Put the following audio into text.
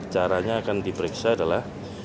caranya akan diperiksa adalah